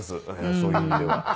そういう意味では。